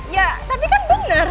ya tapi kan bener kan